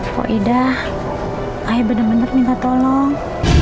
poida ayo bener bener minta tolong